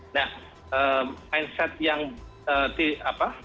nah mindset yang apa